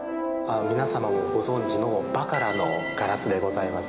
皆様もご存知のバカラのガラスでございます。